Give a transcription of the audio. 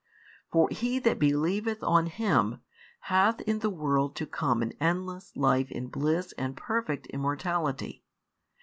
For he that believeth on Him, hath in the world to come an endless life in bliss and perfect immortality.